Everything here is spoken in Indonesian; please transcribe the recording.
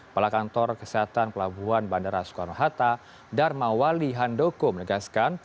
pala kantor kesehatan pelabuhan bandara soekarno hatta dharmawali handoko menegaskan